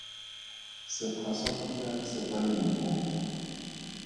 Sekgwa sa pula se kwa Limpopo.